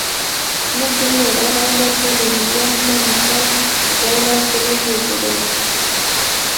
مخکې مو یادونه وکړه چې لېلیان په مورچل ډوله کلیو کې اوسېدل